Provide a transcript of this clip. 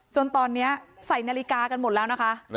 จนตอนนี้ใส่นาฬิกากันหมดแล้วนะคะ